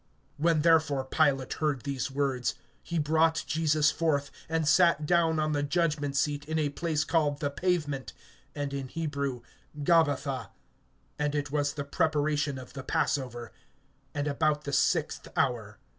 (13)When therefore Pilate heard these words, he brought Jesus forth, and sat down on the judgment seat in a place called the Pavement, and in Hebrew, Gabbatha. (14)And it was the preparation of the passover, and about the sixth hour.